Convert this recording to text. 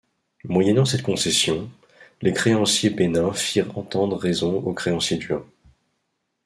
Moyennant cette concession, les créanciers bénins firent entendre raison aux créanciers durs.